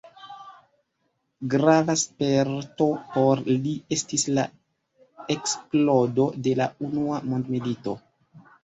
Grava sperto por li estis la eksplodo de la Unua mondmilito.